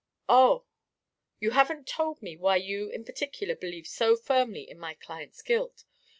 "Oh!" "You haven't told me why you in particular believe so firmly in my client's guilt.